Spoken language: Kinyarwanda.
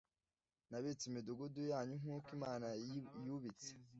Nubitse imidugudu yanyu nk uko Imana yubitse